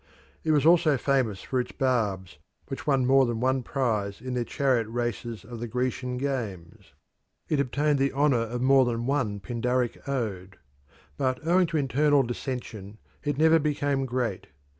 It was also famous for its barbs, which won more than one prize in the chariot races of the Grecian games. It obtained the honour of more than one Pindaric ode. But owing to internal dissension it never became great.